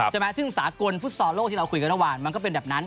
ใช่ไหมซึ่งสากลฟุตซอลโลกที่เราคุยกันเมื่อวานมันก็เป็นแบบนั้น